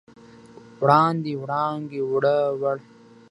وړاندې، وړانګې، اووړه، وړ